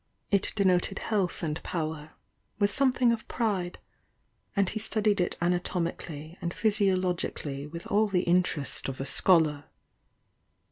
It denoted health and power, with some thing of pride, — and he studied it anatomically and physiologically with all the interest of a scholar.